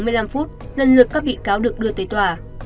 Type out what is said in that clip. sáu giờ bốn mươi năm phút lần lượt các bị cáo được đưa tới tòa